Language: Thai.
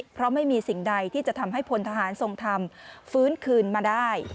เพราะไม่มีสิ่งใดที่จะทำให้พลทหารทรงธรรมฟื้นคืนมาได้